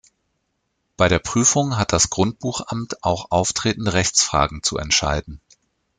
Bei der Prüfung hat das Grundbuchamt auch auftretende Rechtsfragen zu entscheiden.